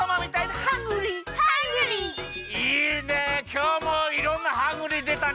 きょうもいろんなハングリーでたね。